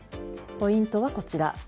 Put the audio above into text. ポイントはこちら。